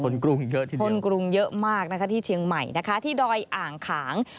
กรุงเยอะทีเดียวคนกรุงเยอะมากนะคะที่เชียงใหม่นะคะที่ดอยอ่างขาง